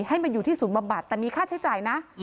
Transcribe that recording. ให้มาอยู่ที่ศูนย์บำบัดแต่มีค่าใช้จ่ายนะ